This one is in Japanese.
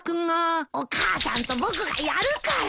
お母さんと僕がやるから。